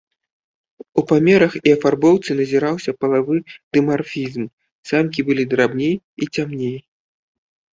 У памерах і афарбоўцы назіраўся палавы дымарфізм, самкі былі драбней і цямней.